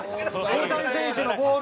大谷選手のボール。